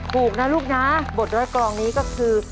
ถูกนะลูกนะบทร้อยกรองนี้ก็คือ